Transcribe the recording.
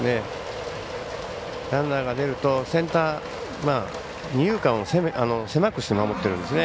ランナーが出るとセンター二遊間を狭くして守ってるんですね。